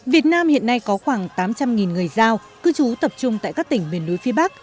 việt nam hiện nay có khoảng tám trăm linh người giao cư trú tập trung tại các tỉnh miền núi phía bắc